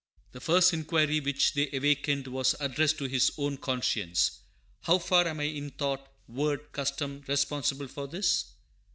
The first inquiry which they awakened was addressed to his own conscience. How far am I in thought, word, custom, responsible for this?